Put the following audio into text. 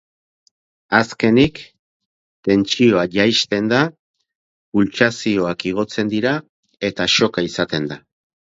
Azkenik, tentsioa jaisten da, pultsazioak igotzen dira eta shocka izaten da.